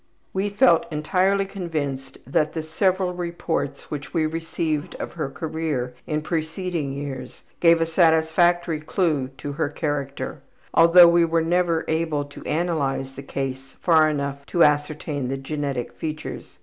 We felt entirely convinced that the several reports which we received of her career in preceding years gave a satisfactory clew to her character, although we were never able to analyze the case far enough to ascertain the genetic features.